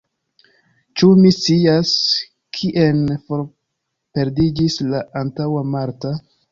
Ĉu mi scias, kien forperdiĝis la antaŭa Marta?